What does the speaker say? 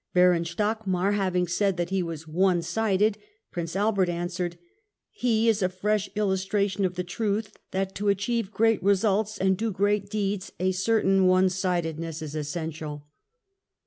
Baron Stockmar having said that he was "one sided," Prince Albert answered, "He is a fresh illustration of the truth that, to achieve great results and do great deeds, a certain one sidedness is essential."